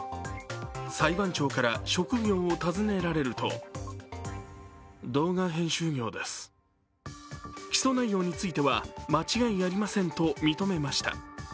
裁判長から職業を尋ねられると起訴内容については、間違いありませんと認めました。